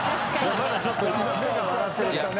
まだちょっと今目が笑ってるからね。